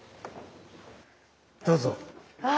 どうぞ。